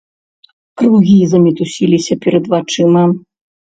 Кругі замітусіліся перад вачыма.